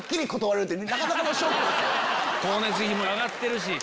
光熱費も上がってるし。